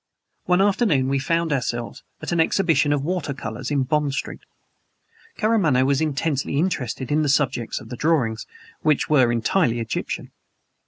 One afternoon we found ourselves at an exhibition of water colors in Bond Street. Karamaneh was intensely interested in the subjects of the drawings which were entirely Egyptian.